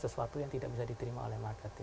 sesuatu yang tidak bisa diterima oleh marketing